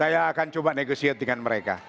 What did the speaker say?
saya akan coba negosiasi dengan mereka